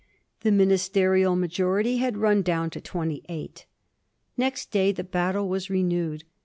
The ministerial majority had run down to 28. Next day the battle was renewed.